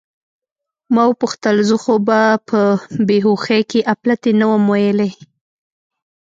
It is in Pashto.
ما وپوښتل: زه خو به په بې هوښۍ کې اپلتې نه وم ویلي؟